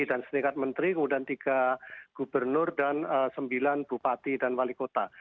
dan setingkat menteri kemudian tiga gubernur dan sembilan bupati dan wali kota